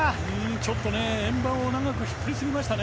ちょっと円盤を長く引っ張りすぎましたね。